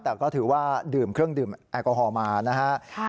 แต่ก็ถือว่าดื่มเครื่องดื่มแอลกอฮอล์มานะฮะ